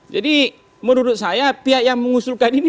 jadi menurut saya pihak yang mengusulkan ini